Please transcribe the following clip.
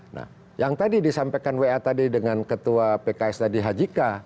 nah yang tadi disampaikan wa tadi dengan ketua pks tadi haji k